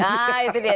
nah itu dia